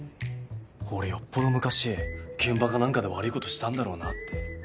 俺よっぽど昔現場か何かで悪いことしたんだろうなって